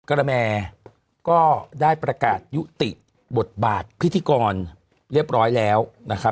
กระแมก็ได้ประกาศยุติบทบาทพิธีกรเรียบร้อยแล้วนะครับ